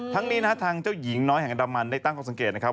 ทั้งนี้นะครับทางเจ้าหญิงน้อยแห่งดำมันได้ตั้งความสังเกตนะครับ